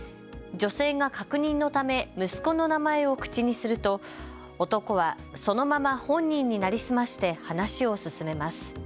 女性が確認のため息子の名前を口にすると、男はそのまま本人に成り済まして話を進めます。